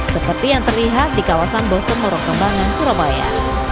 seperti yang terlihat di kawasan boston norok sembangan surabaya